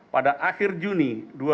pada akhir juni dua ribu lima